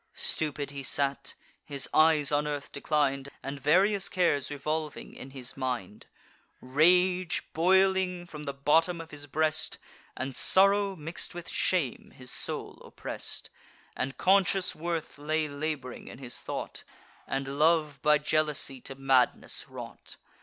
Stupid he sate, his eyes on earth declin'd, And various cares revolving in his mind: Rage, boiling from the bottom of his breast, And sorrow mix'd with shame, his soul oppress'd; And conscious worth lay lab'ring in his thought, And love by jealousy to madness wrought.